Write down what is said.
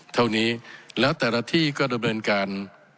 เท่านี้แล้วแต่ละที่ก็ดำเนินการ